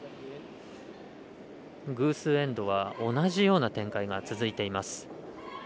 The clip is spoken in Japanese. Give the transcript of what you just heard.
偶数エンドは同じような展開が続いています。